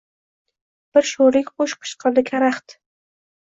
Bir sho‘rlik qush qichqirdi karaxt.